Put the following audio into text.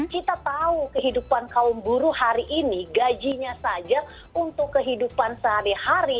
kita tahu kehidupan kaum buruh hari ini gajinya saja untuk kehidupan sehari hari